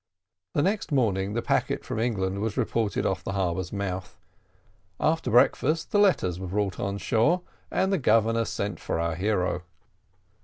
The next morning the packet from England was reported off the harbour's mouth. After breakfast the letters were brought on shore, and the Governor sent for our hero.